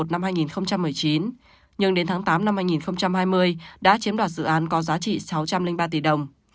nhưng đến tháng tám hai nghìn hai mươi đã chiếm đoạt dự án có giá trị là gần tám trăm năm mươi tỷ đồng